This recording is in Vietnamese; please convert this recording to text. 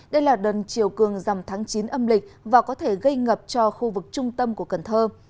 đây là đợt chiều cường dầm tháng chín âm lịch và có thể gây ngập cho khu vực trung tâm của cần thơ